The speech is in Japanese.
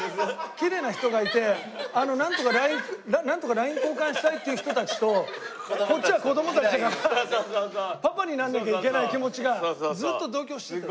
きれいな人がいてなんとかＬＩＮＥ交換したいっていう人たちとこっちは子供たちだからパパにならなきゃいけない気持ちがずっと同居しててね。